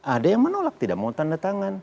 ada yang menolak tidak mau tanda tangan